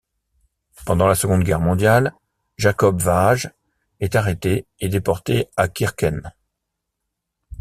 Pendant la seconde guerre mondiale, Jakob Vaage est arrêté et déporté à Kirkenes.